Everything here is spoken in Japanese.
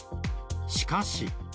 しかし。